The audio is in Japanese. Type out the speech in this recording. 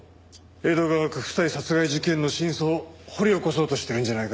江戸川区夫妻殺害事件の真相を掘り起こそうとしてるんじゃないか？